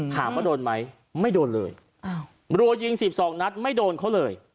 ถามว่าโดนไหมไม่โดนเลยรัวยิง๑๒นัดไม่โดนเขาเลย